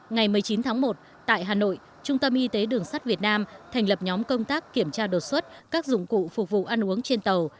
ngày một mươi chín tháng một tại hà nội trung tâm y tế đường sắt việt nam thành lập nhóm công tác kiểm tra đột xuất các dụng cụ phục vụ ăn uống trên tàu